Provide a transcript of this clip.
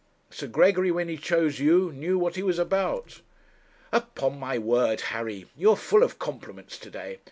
Sir Gregory, when he chose you, knew what he was about.' 'Upon my word, Harry, you are full of compliments to day.